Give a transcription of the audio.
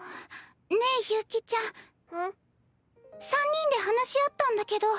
３人で話し合ったんだけど。